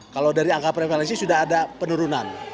kalau dari angka prevalensi sudah ada penurunan